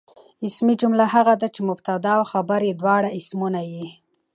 اسمي جمله هغه ده، چي مبتدا او خبر ئې دواړه اسمونه يي.